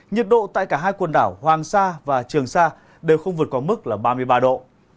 nhiệt độ tại cả hai quần đảo hoàng sa và trường sa đều không vượt qua mức là ba mươi ba độ